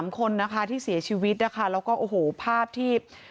๓คนที่เสียชีวิตนะคะแล้วก็ภาพที่